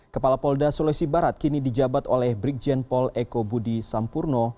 kepala polda sulawesi barat kini dijabat oleh brigjen pol eko budi sampurno